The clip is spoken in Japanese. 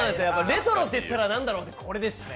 レトロっていったら何だろうこれでしたね。